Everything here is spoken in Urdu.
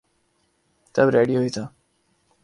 تب ریڈیو ہی تھا۔